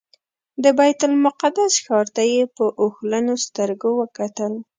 د بیت المقدس ښار ته یې په اوښلنو سترګو وکتل.